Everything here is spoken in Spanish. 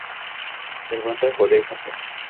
Se encuentra en Corea y Japón.